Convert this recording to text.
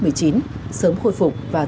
sớm khôi phục và thúc đẩy